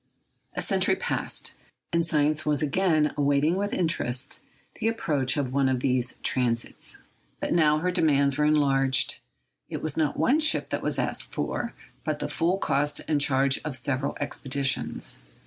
A century passed, and science was again awaiting with interest the approach of one of these transits. But now her demands were enlarged. It was not one ship that was asked for, but the full cost and charge of several expeditions.